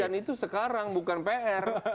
dan itu sekarang bukan pr